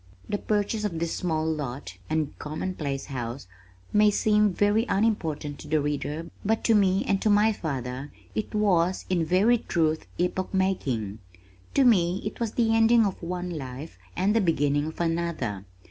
The purchase of this small lot and commonplace house may seem very unimportant to the reader but to me and to my father it was in very truth epoch marking. To me it was the ending of one life and the beginning of another.